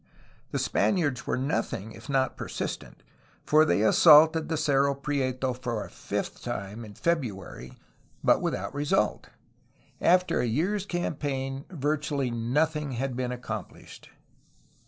The Spaniards were nothing if not persistent, for they assaulted the Cerro Prieto for the fifth time, in February, but without result. After a year's campaign virtually nothing had been accomplished.